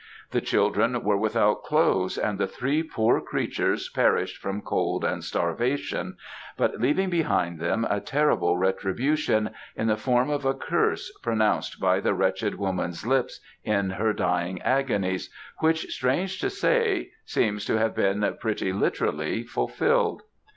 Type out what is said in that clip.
The children were without clothes, and the three poor creatures perished from cold and starvation, but leaving behind them a terrible retribution, in the form of a curse pronounced by the wretched woman's lips in her dying agonies, which, strange to say, seems to have been pretty literally fulfilled.